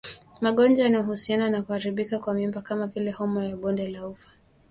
Magonjwa yanayohusiana na kuharibika kwa mimba kama vile Homa ya bonde la ufa